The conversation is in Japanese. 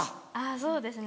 そうですね。